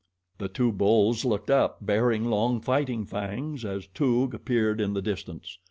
The two bulls looked up, baring long fighting fangs, as Toog appeared in the distance.